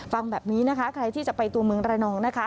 ฟังแบบนี้นะคะใครที่จะไปตัวเมืองระนองนะคะ